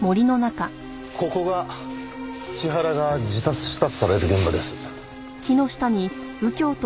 ここが千原が自殺したとされる現場です。